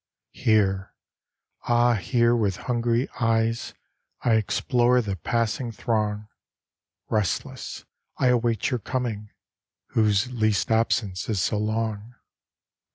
Here, ah, here with hungry eyes I explore the passing throng. Restless I await your coming Whose least absence is so long.